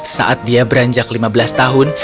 saat dia beranjak lima belas tahun